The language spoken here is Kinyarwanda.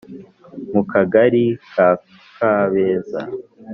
mu kagari ka kabeza,